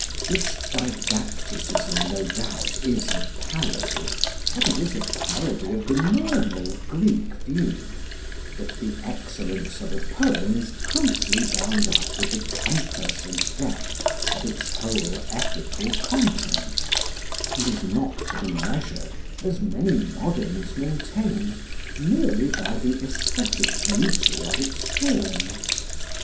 This didacticism, no doubt, is a parody; but it is a parody of the normal Greek view, that the excellence of a poem is closely bound up with the compass and depth of its whole ethical content, and is not to be measured, as many moderns maintain, merely by the aesthetic beauty of its form.